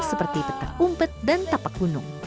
seperti petang umpet dan tapak gunung